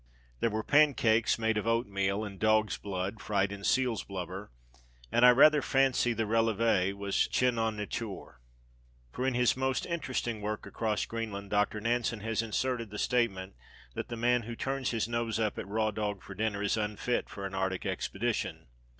There were pancakes, made of oatmeal and dog's blood, fried in seal's blubber. And I rather fancy the relevé was Chien au nature. For in his most interesting work, Across Greenland, Doctor Nansen has inserted the statement that the man who turns his nose up at raw dog for dinner is unfit for an Arctic expedition.